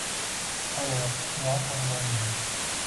Mana, ular o’rmonning